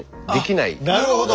なるほど。